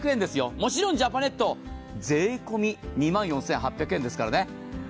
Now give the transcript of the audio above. もちろんジャパネット、税込み２万４８００円ですからね。